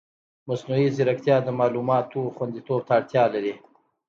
مصنوعي ځیرکتیا د معلوماتو خوندیتوب ته اړتیا لري.